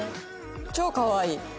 超かわいい。